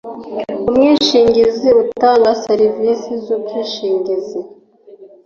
umwishingizi utanga serivisi z’ubwishingizi